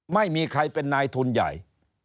ไม่มีใครเป็นนายทุนใหญ่